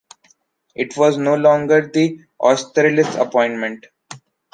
It was no longer the Austerlitz appointment.